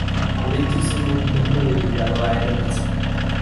Había en su cima un templo dedicado a Hermes.